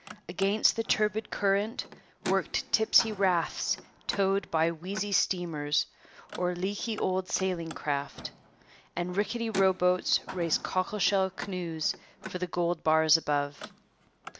Against the turbid current worked tipsy rafts towed by wheezy steamers or leaky old sailing craft, and rickety row boats raced cockle shell canoes for the gold bars above.